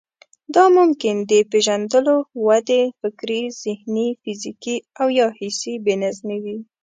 دا ممکن د پېژندلو، ودې، فکري، ذهني، فزيکي او يا حسي بې نظمي وي.